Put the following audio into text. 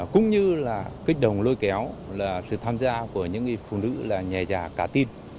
cũng như là kích đồng lôi kéo là sự tham gia của những phụ nữ là nhà già cá tin